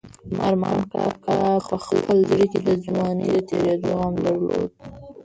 ارمان کاکا په خپل زړه کې د ځوانۍ د تېرېدو غم درلود.